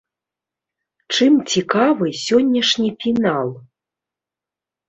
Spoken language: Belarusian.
Чым цікавы сённяшні фінал?